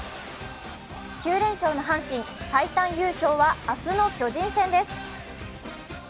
９連勝の阪神、最短優勝は明日の巨人戦です。